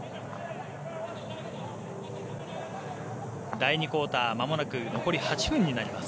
第２クオーターまもなく残り８分になります。